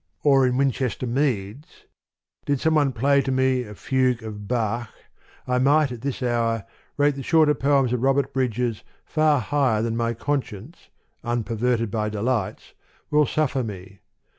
or in Winchester Meads ; did some one play to me a fugue of Bach : I might, at this hour, rate the Shorter Poems of Robert Bridges far higher than my con science, unperverted by delights, will suffer me.